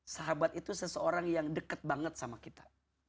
sahabat itu seseorang yang deket banget sama kita